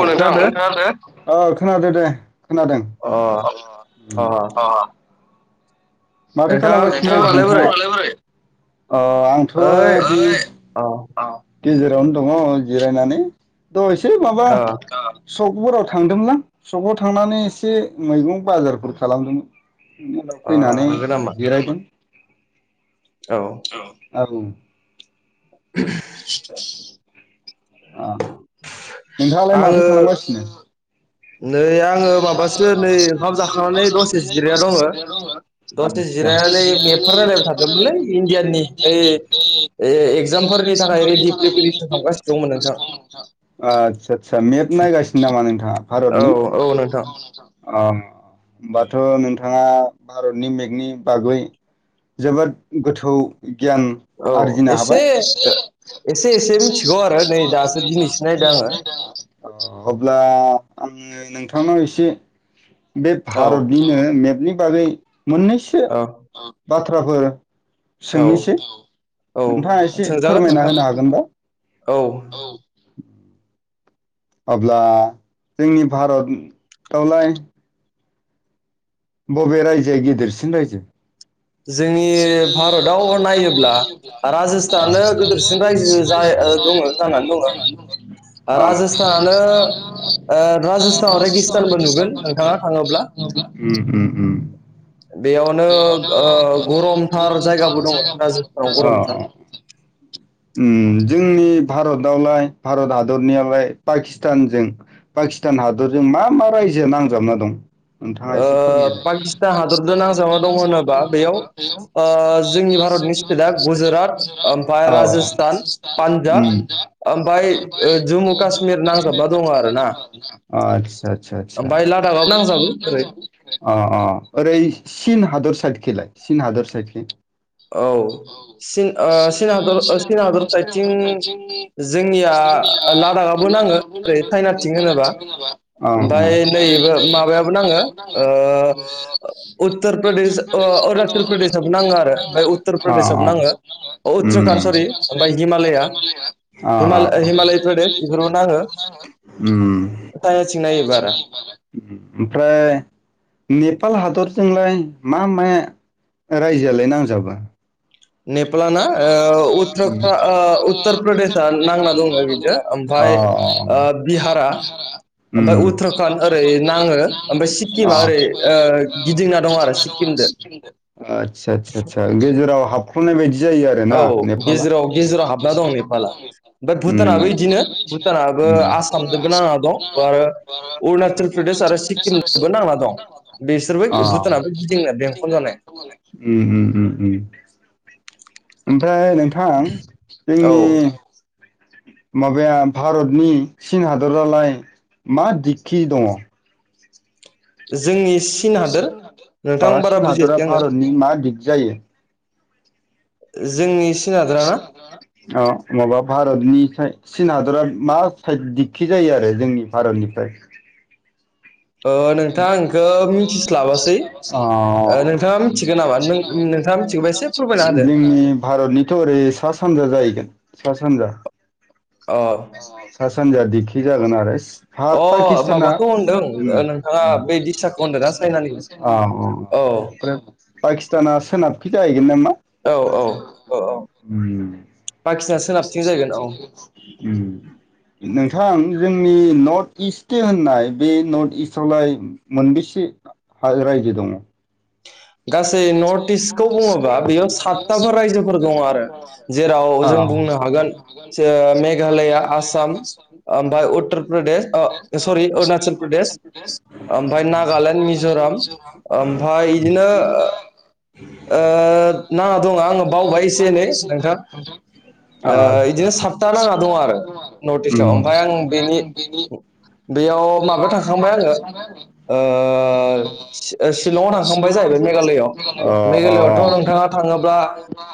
औ नोंथां खोनादो ओ खोनादो दे खोनादों अ ओम अ माथो नोंथाङा खालामगासिनो खबरालाय बोरै नोंथाङा [inaudible] अ आंथ' ओइ बि अ औ गेजेरावनो दङ जिरायनानै दहाय एसे माबा अ सकफोराव थांदोंमोनलां सकाव थांनानै एसे मैगं बाजारफोर खालामदोंमोन उनाव अ फैनानै नंगौ नामा जिरायदों औ औ [inaudible] ओ नोंथाङालाय आङो माथो खालामगासिनो नै आङो माबासो नै ओंखाम जाखांनानै दसे जिराया दङ दसेसे आदसा जिर दा नै मेपफोर नायलाबाय आदसा थादोंमोनलै इण्डियाननि ऐ ए एगजामफोरनि थाखाय रेदि [unintelligible] आदसा सा सा मेप नायगासिनो नामा नोंथाङा भारतनि थ अ होनोमबाथ' नोंथाङा भारतनि मेगनि बागै जोबोद गोथौ गियान औ आरजिनो एसे हाबाय इसे एसे एसे इसे इसे मिथिगौ आरो नै दिनैसो दासो नायदों आङो [inaudible] अब्ला आङो नोंथांनाव एसे बे औ भारतनिनो मेपनि बागै मोननैसो बाथ्राफोर औ सोंनिसै औ नोंथाङा एसे सोंजागोन फोरमायना नोंथां होनो हागोन दा औ अब्ला जोंनि भारतआवलाय बबे रायजोआ गिदिरसिन रायजो? जोंनि भारताव नायोब्ला राजस्थानानो राजस्तानानो गोदोरसिन रायजो गेदेरसिन राय जाय ओ दङ औ जानानै दङ राजस्थानानो ओ राजस्थानाव रेगिस्तानबो नुगोन नोंथाङा थाङोब्ला औ औ [unintelligible] उम बेयावनो उम ओ गरमथार उम जायगाबो दङ राजस्थानाव ओ गरमथार औ उम जोंनि भारतआवलाय भारत हादरनियावलाय पाकिस्तानजों पाक किस्तान हादरजों मा मा रायजो नांजाबना दं? नोंथाङा एसे ओ फोरमायदो पाकिस्तान हादरजों नांजाबना दङ होनोबा बेयाव ओ । औ जोंनि भारतनि स्टेटआ ओम गुजरात ओमफ्राय राजस्थान पान्जाब ओमफ्राय ओ जम्मु काश्मिर नांजाबना दङ आरो ना अ आतसा आतसा आतसा ओमफ्राय [unintelligible] नांजाबो ओरै अ अ ओरै सिन हादर साइदखिलाय सिन हादर साइदखि? औ चिन ओ चिन चिन हादर ओ चिन हादर साइदथिं जोंनिया लादाखआबो नाङो ओरै चाय नाथिं होनोबा अ अ। ओमफाय नैबो माबायाबो नाङो ओ उत्तर प्रदेश ओ अरुणाचल प्रदेशाबो नाङो आरो ओमफ्राय अ उत्तर प्रदेश आ नाङो। उत्तराखणड उम सरि ओमफ्राय हिमालया अ हिमाल अ अ हिमालय प्रदेश बेफोरबो नाङो ओम चाइनाथिं नायोबा आरो ओमफ्राय नेपाल हादरजोंलाय मा माया रायजोआलाय नांजाबा? नेपालाना ओ उत्तराखा ओ उत्तर प्रदेशआ नांना दङ बिजो ओमफाय अ अ ओम अ ओमफ्राय उत्तराखन्ड ओरै नाङो ओमफ्राय सिक्किमा ओरै ओ गिदिंना दं आरो सिक्किमदो आतसा आतसा आतसा गेजेराव हाब ख'नाय बायदि जायो आरो ना औ नेपाला? गेजेराव गेजेराव हाबना दं नेपाला ओमफ्राय भुटानाबो इदिनो उम भुटानाबो आसामदोबो उम नांना दं आरो अ अरुणाचल प्रदेश आरो उम सिक्किमजोंबो नांना दं उम बिसोरबो भुटानाबो उम गिदिंनो बेंखन जानाय उम । [inaudible] ओमफ्राय नोंथां औ जोंनि माबाया भारतनि चीन हादरालाय मा दिगखि दङ? जोंनि चीन हादोर ओ नोंथां बारा चिन हादरा बुजियासै आङो भारतनि मा दिग जायो? जोंनि चीन हादोरा ना अ माबा भारतनिफ्राय चिन हादरा मा साइद दिगखि जायो आरो जोंनि भारतनिफ्राय? ओ अ नोंथां आं इखो मिथिस्लाबासै ओ नोंथाङा मिथिगोन नामा नों नोंथाङा मिथिगौबा एसे फोरमायना होदो जोंनि भारतनिथ' ओरै सा सानजा जाहैगोन सा सानजा । अ सानजा दिगखि जागोन आरो हाब अ पाकिस्ताना माबाखौ होनदों ओ नोंथाङा बे दिसाखौ होनदों ना चाइनानि अ औ ओमफ्राय पाकिस्ताना सोनाबखि जाय हैगोन नामा । औ औ औ उम [unintelligible] जाहैगोन औ उम नोंथां जों नि नर्थ इस्टि होननाय बे नर्थ इस्टआवलाय मोनबेसे आरो रायजो दङ? [inaudible] गासै नर्थ इस्टखौ बुङोबा बेयाव सातथाफोर रायजोफोर दङ आरो जेराव औ जों बुं नो हागोन ओ मेघालया आसाम ओमफ्राय उत्तर प्रदेश ओ सरि अरुणाचल प्रदेश ओमफ्राय [inaudible] फाय इदिनो ओ नाङा दङ आङो बावबाय एसे एनै नोंथां। आदसा बिदिनो सातथा नाङा दं आरो नर्थ इस्आव ओमफ्राय आं बेनि उम बेयाव माबायाव थांखांबाय आङो सिलं ओमफ्राय मेघालय थांखांबाय अ अ मेघालआवथ' नोंथाङा थाङोब्ला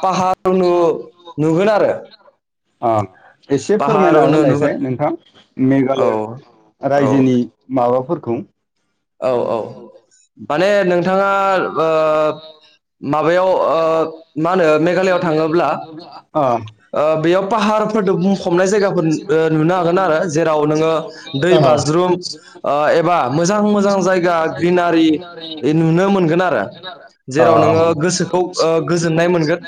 पाहार नुगोन आरो एसे पाहार फोरमायना उनु होलायसै नुगोन नोंथां औ मेघालय औ रायजोनि माबाफोरखौ औ औ माने नोंथाङा माबायाव मा होनो मेघालआव थाङोब्ला ओ बेयाव पाहारफोरजों बुंफबनाय जायगाफोर नुनो हागोन आरो जेराव नोङो दै ओ बाज्रुम एबा मोजां मोजां जायगा ग्रिनारि नुनो मोनगोन आरो अ जेराव नोङो गोसोखौ गोजोन्नाय मोनगोन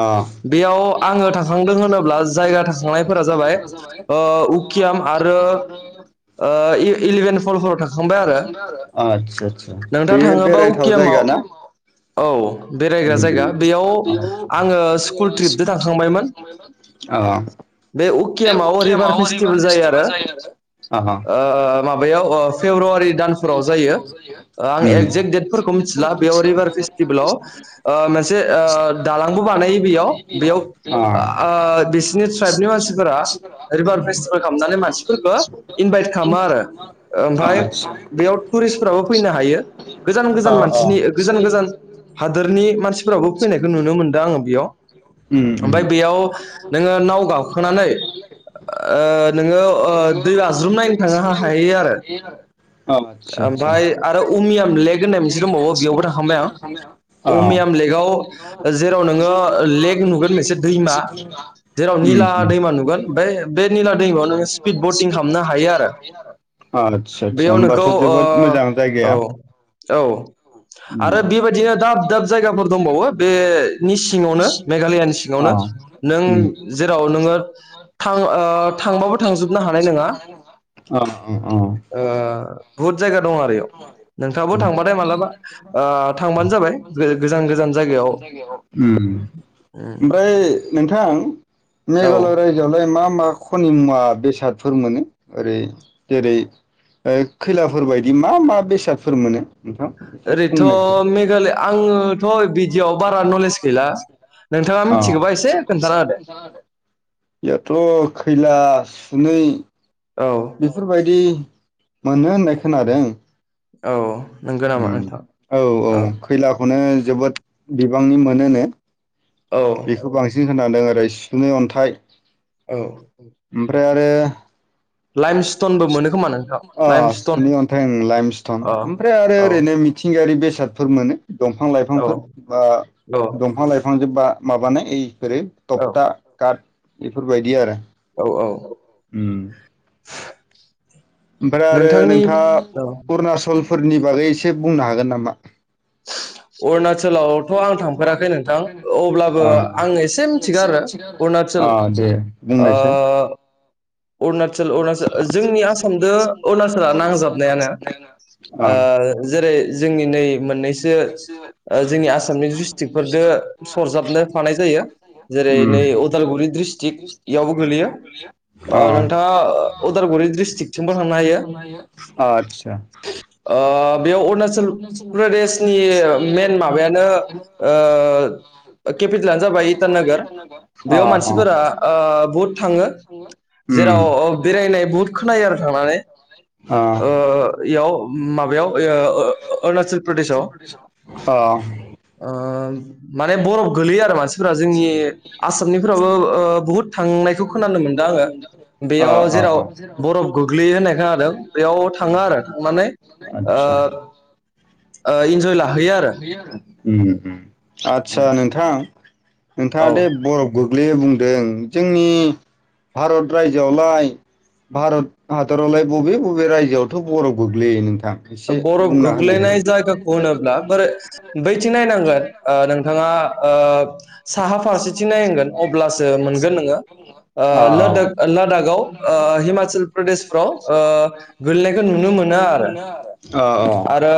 अ बेयाव आङो थाखांदों होनोब्ला जायगा जाया थांखांनायफोरा गायफोरा जाबाय ओ उकियाम उखय आरो ओ इलेभेन फलफोराव थांखांबाय आरो [unintelligible] आतसा आसा बे नोंथाङा थाङोबा बेरायथाव उकियामाव जायगा ना [unintelligible] औ बेरायग्रा जायगा बेयाव आङो स्कुल ट्रिपजों थांखांबायमोन [unintelligible] पकियामाव रिभार फेस्टिभेल जायो आरो अ माबायाव फेब्रुवारि दानफोराव जायो आं उम एगजेक्ट डेटफोरखौ मिथिला बेयाव रिभार फेसटिभेलाव मोनसे दालांबो बानायो बेयाव बेयाव बिसिनि ट्राइबनि मानसि रिभार फेस्टिभेल खालामनानै मानसिफोरखौ इनभाइट खालामो आरो अ ओमफ्राय आतसा बेयाव टुरिस्टफ्राबो फैनो हायो गोजान अ गोजान अ मानसिनि गोजान गोजान हादोरनि मानसिफोराबो फैनायखौ नुनो मोनदों आङो बेयाव उम उम ओमफ्राय बेयाव नोङो नाव गाखोनानै नोङो दै बाज्रुम नायनो थांनो हायो आरो आतसा आतसा ओमफ्राय आरो अमियाम लेक होननाय मोनसे दंबावो बेयावबो थांखांबाय आं अ अमियाम लेकआव जेराव नोङो लेक नुगोन मोनसे दैमा जेराव उम निला दैमा उम नुगोन नो सिपिड बटिं खालामनो हायो आरो आदसा आदसा बेयाव होमबाथ' नोंखौ जोबोद मोजां औ जायगाया औ उम आरो बेबायदिनो दाब दाब जायगाफोर दंबावो बेनि सिङावनो मेघालयानि अ सिङावनो नों उम जेराव नोङो थ थांबाबो थांजोबनो हानाय नङा अ बहुद जायगा दं आरो बेयाव नोंथाङाबो उम थांबाथाय मालाबा थांबानो जाबाय गोजान गोजान जायगायाव उम [unintelligible] ओमफ्राय नोंथां औ मेघालय रायजोआवलाय मा मा खनि मुवा बेसादफोर मोनो ओरै जेरै खैलाफोर बायदि मा मा बेसादफोर मोनो नोंथां एसे ओरैथ' बुंनायखौ थ' मेघालय आङोथ' बिदियाव बारा नलेज गैला नोंथाङा मिथिगौबा एसे खोन्थाना होदो ख [unintelligible] सिला सुनै औ बेफोरबायदि मोनो होननाय खोनादों औ नंगौ नामा नोंथां औ औ खैलाखौनो जोबोद बिबांनि मोनोनो औ बेखौ बांसिन खोनादों ओरै सुनै अन्थाइ औ ओमफ्राय आरो लाइम स्टनबो मोनो खोमा नोंथां लाइम स्टन नि अन्थाइ लाइमस्टन अ ओमफ्राय आरो औ ओरैनो मिथिंगायारि बेसे बेसादफोर मोनो दंफां औ लाइफांफोर बा दंफां लाइफांजों बा माबानाय इ जेरै औ थकटा काट बेफोरबायदि आरो औ औ उम ओमफ्राय आरो नोंथांनि नोंथाङा औ अरुणचल फुलफोरनि बागै एसे बुंनो हागोन नामा अरुणाचल औ थ' आं थांफेराखै नोंथां अब्लाबो आं एसे मिथिगो आरो अरुणाचल बुंनायसै अरुणचल अरुणचल जोंनि आसामजों अरुणाचला नांजाबनायानो अ जेरै जोंनि नै मोननै जोंनि आसामनि दिसतिकफोरजों सरजाबनो फानाय जायो जेरै नै उम उदालगुरि डिस्ट्रिक्क इयावबो गोलैयो अ नोंथाङा उदालगुरि डिस्ट्रिक्थिमबो थांनो हायो आतसा ओ बेयाव अरुणचल प्र प्रदेश मेइन माबायानो केपिटेलानो जाबाय इटानगर अ बेयाव अ मानसिफोरा बुहुद थांङो उम जेराव बेरायनाय बुहुत खोनायो आरो थांनानै अ इयाव माबा अरणाचल प्रदेशआव अ अ माने बरफ गोलैयो आरो फोरा जोंनि आसामनिफोराबो बुहुद थांनायखौ खोनानो मोन्दों आंङो बेयाव अ जेराव बरफ गोग्लै होननाय खोनादों बेयाव थांङो आरो थांनानै आतसा ओ इन्जय लाहैयो आरो आदसा नोंथां नोंथाङा औ दे बरफ गोग्लैयो बुंदों जोंनि भारत रायजोआवलाय भारत हादरावलाय बबे बबे रायजोआवथ' बरफ गोग्लैयो नों बरफ गोग्लैनाय जायगाखौ होनोब्ला बोरै बैथि नायनांगोन नोंथाङा ओओ साहा फारसेथि नायांगोन अब्लासो मोनगोन नोंङो अ लादाख लादाखआव हिमाचल प्रदेशफ्राव ओ गोलैनायखौ नुनो मोनो आरो औ औ आरो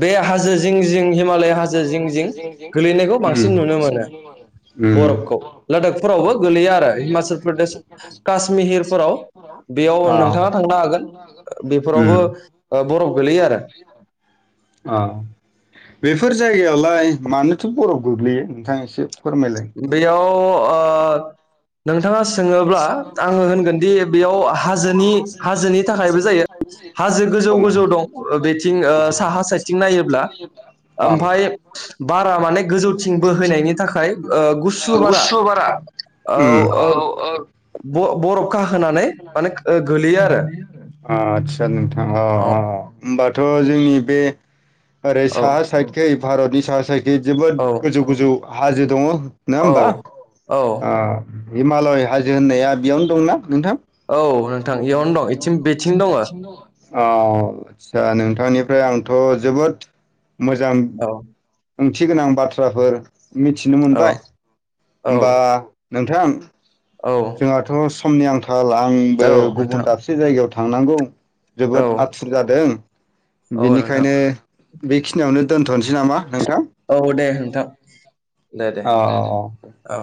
बे हाजो जिं जिं हिमालय हाजो जिं जिं गोलैनायखौ उम बांसिन नुनो मोनो उम बरफखौ लादाखफोरावबो गोलैया आरो हिमाचल प्रदेश काश्मिहिरफोराव बे बेयाव अ नोंथाङा थांनो हागोन उम बेफोरावबो बरफ गोलैयो आरो बेफोर जायगायाव ओमाय मानोथ' बरफ गोग्लैयो नोंथाङा एसे फोरमायलाय बेयाव ओ नोंथाङा सोंङोब्ला आंङो होनगोनदि बेयाव हाजोनि हाजोनि थाखायबो जायो हाजो गोजौ अ गोजौ दं अ साहा साइथिं नायोब्ला औ ओमफाय बार माने गोजौथिं बोहैयनायनि थाखाय गुसु बारा ओम औ औ ब-बरफ खाहोनानै माने ओ गोलैयो आरो आदसा नोंथाङा औ अ अ होमबाथ' जोंनि बे ओरै औ साहा साइतखै भारतनि साहा साइ जोबोद गोजौ गोजौ हाजो दंङ नंङा औ होमबा औ हिमालय हाजो होननाया बेयावनो दंना नोंथां औ नोंथां इयावनो दंथिं बेथिं दंङो औ आदसा नोंथांनिफ्राय आंथ' जोबोद मोजां औ ओंथि गोनां बाथ्राफोर मिथिनो मोनबाय औ होमबा नोंथां जोंहाथ' समनि आंखाल आंबो औ गुबुन नोंथां दाबसे जायगायाव थां थांनांगौ औ जोबोद आथुर जादों औ नोंथां बेनिखायनो बेखिनियावनो दोनोसै नामा नोंथां औ दे नोंथां दे दे औ औ। औ